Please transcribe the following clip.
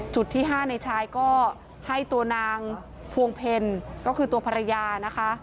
ที่๕ในชายก็ให้ตัวนางพวงเพลก็คือตัวภรรยานะคะ